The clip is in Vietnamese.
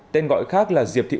tên gọi khác là diệp thị út em